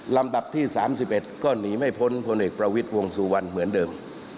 ลำดับที่๓๑ก็หนีไม่พ้นคนเอกประวิทวงศ์สู่วันเหมือนเดิม